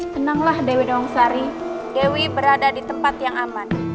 tenanglah dewi dongsari dewi berada di tempat yang aman